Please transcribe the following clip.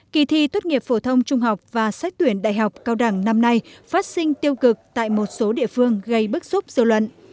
kỳ thi tốt nghiệp phổ thông trung học và xét tuyển đại học cao đẳng năm nay phát sinh tiêu cực tại một số địa phương gây bức xúc dư luận